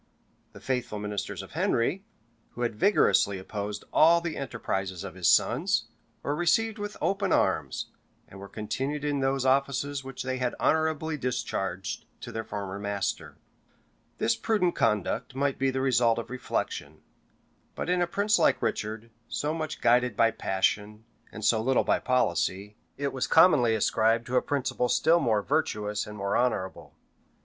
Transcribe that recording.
The faithful ministers of Henry, who had vigorously opposed all the enterprises of his sons, were received with open arms, and were continued in those offices which they had honorably discharged to their former master. This prudent conduct might be the result of reflection; but in a prince like Richard, so much guided by passion, and so little by policy, it was commonly ascribed to a principle still more virtuous and more honorable.